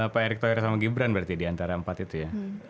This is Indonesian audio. pak erick tohir sama gibran berarti diantara empat itu ya